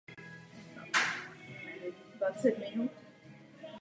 Poskytuje vzdělání podle školního vzdělávacího programu „Škola pro život“.